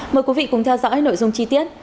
mời quý vị cùng theo dõi nội dung chi tiết